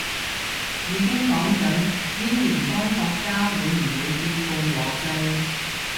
已經講緊英聯邦國家會唔會變共和制